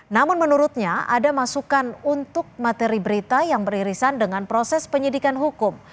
namun menurutnya ada masukan untuk materi berita yang beririsan dengan proses penyidikan hukum